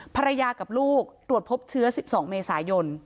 ภรรยากับลูกตรวจพบเชื้อ๑๒เมษายน